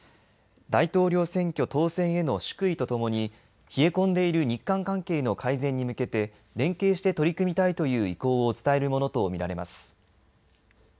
大統領選挙当選への祝意とともに冷え込んでいる日韓関係の改善に向けて連携して取り組みたいという意向を伝えるものと見られます。